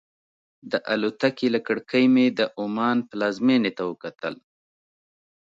د الوتکې له کړکۍ مې د عمان پلازمېنې ته وکتل.